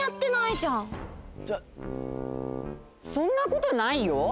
そんなことないよ。